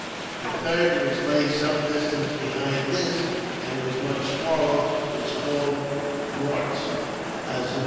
The third, which lay some distance behind this, and was much smaller, was called Mortz Azur.